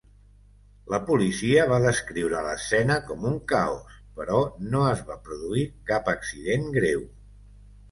La policia va descriure l'escena com un caos, però no es va produir cap accident greu.